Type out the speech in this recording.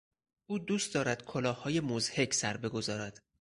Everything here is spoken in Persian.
او دوست دارد کلاههای مضحک سر بگذارد.